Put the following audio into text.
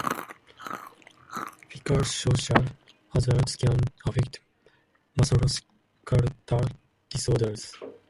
Psychosocial hazards can affect musculoskeletal disorders.